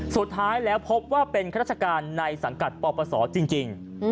สุดท้ายแล้วพบว่าเป็นข้าราชการในสังกัดปปศจริง